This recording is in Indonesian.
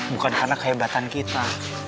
bukan karena kehebatan kita